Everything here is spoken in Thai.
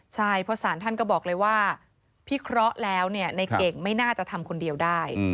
ใช่เพราะสารท่านก็บอกเลยว่าพิเคราะห์แล้วในเก่งไม่น่าจะทำคนเดียวได้